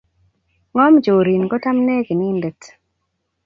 Ng'om chorin kotabne kinindet